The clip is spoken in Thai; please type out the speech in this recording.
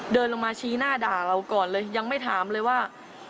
เดินลงมาชี้หน้าด่าเราก่อนเลยยังไม่ถามเลยว่า